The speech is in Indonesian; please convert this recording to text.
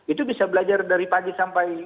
itu bisa belajar dari pagi sampai